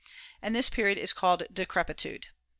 And this period is called decrepitude.